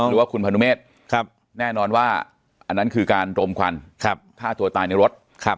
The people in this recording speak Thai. หรือว่าคุณพนุเมฆแน่นอนว่าอันนั้นคือการรมควันฆ่าตัวตายในรถ